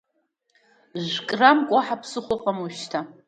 Жә-граммк, уаҳа ԥсыхәа ыҟам ожәшьҭа!